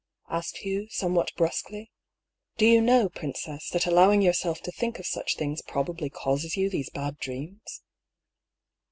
asked Hugh, somewhat brusquely. " Do you know, princess, that allowing yourself to think of such things probably causes you these bad dreams